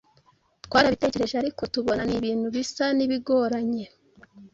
twarabitekereje ariko tubona ni ibintu bisa n'ibigoranye